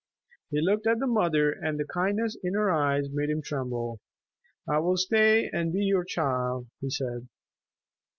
He looked at the mother and the kindness in her eyes made him tremble. "I will stay and be your child," he said.